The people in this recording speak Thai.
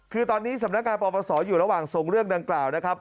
คือตอนนี้สำนักงานปปศอยู่ระหว่างส่งเรื่องดังกล่าวนะครับ